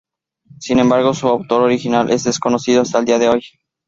Sin embargo, su autor original es desconocido hasta el día de hoy.